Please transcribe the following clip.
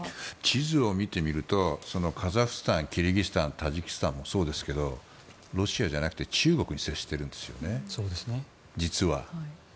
地図を見てみるとカザフスタンキルギスタンタジキスタンもそうですけどロシアじゃなくて中国に接してるんですよね、実は。